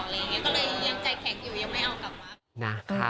ก็เลยยังใจแข็งอยู่ยังไม่เอากลับมา